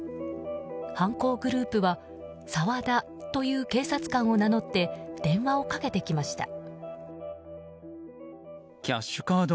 犯行グループは「沢田」という警察官を名乗って電話をかけてきました。